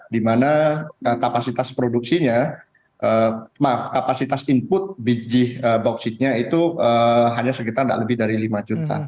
dimana kapasitas input biji bauksitnya itu hanya sekitar tidak lebih dari lima juta